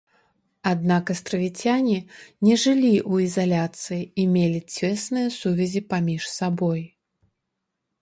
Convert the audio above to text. Аднак астравіцяне не жылі ў ізаляцыі і мелі цесныя сувязі паміж сабой.